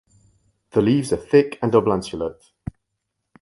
The leaves are thick and oblanceolate.